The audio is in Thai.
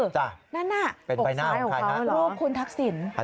นะรูปคุณทักศิลป์เป็นใบหน้าของใครครับ